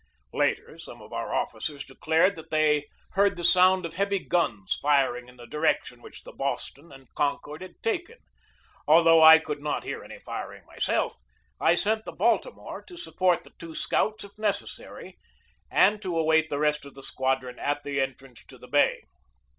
Later, some of our officers declared that they heard the sound of heavy guns firing in the direction which the Boston and Concord had taken. Though I could not hear any firing myself, I sent the Baltimore to support the two scouts if necessary, and to await the rest of the squadron at the entrance to the bay.